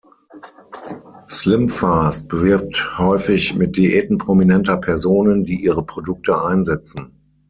Slim Fast wirbt häufig mit Diäten prominenter Personen, die ihre Produkte einsetzen.